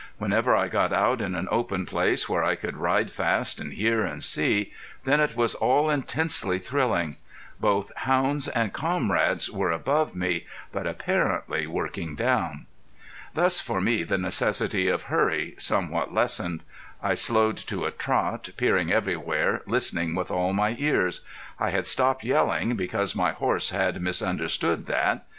Whenever I got out in an open place, where I could ride fast and hear and see, then it was all intensely thrilling. Both hounds and comrades were above me, but apparently working down. Thus for me the necessity of hurry somewhat lessened. I slowed to a trot, peering everywhere, listening with all my ears. I had stopped yelling, because my horse had misunderstood that.